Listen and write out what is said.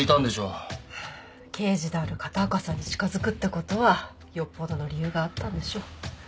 刑事である片岡さんに近づくって事はよっぽどの理由があったんでしょ。